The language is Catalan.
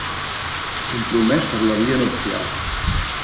Compromès per la via nupcial.